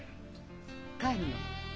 帰るの？